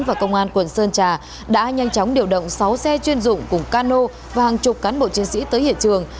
và công an quận sơn trà đã nhanh chóng điều động sáu xe chuyên dụng cùng cano và hàng chục cán bộ chiến sĩ tới hiện trường